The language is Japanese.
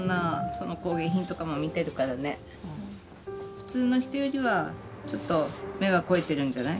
普通の人よりはちょっと目は肥えてるんじゃない？